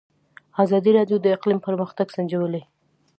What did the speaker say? ازادي راډیو د اقلیم پرمختګ سنجولی.